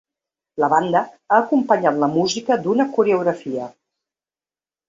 La banda ha acompanyat la música d’una coreografia.